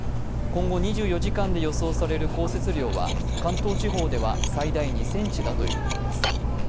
今後２４時間で予想される降雪量は関東地方では最大２ｃｍだということです。